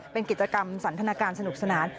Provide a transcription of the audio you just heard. เป็นกิจกรรมสันทนาการสนุกสนาน